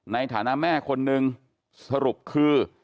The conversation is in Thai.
ในฐานะแม่คนนึงสรุปคือ